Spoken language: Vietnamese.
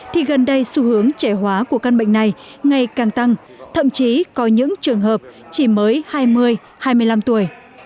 thì gần đây xu hướng trẻ hóa của căn bệnh này ngày càng tăng thậm chí có những trường hợp chỉ mới hai mươi hai mươi năm tuổi